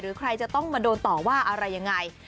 ใครจะต้องมาโดนต่อว่าอะไรยังไง